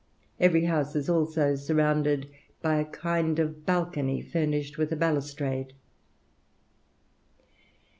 Every house is also surrounded by a kind of balcony furnished with a balustrade.